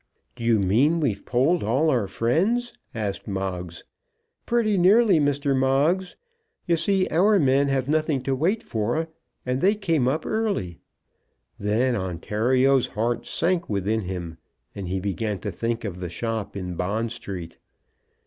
"Do you mean we've polled all our friends?" asked Moggs. "Pretty nearly, Mr. Moggs. You see our men have nothing to wait for, and they came up early." Then Ontario's heart sank within him, and he began to think of the shop in Bond Street.